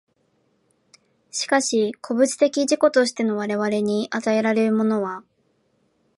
しかし個物的自己としての我々に与えられるものは、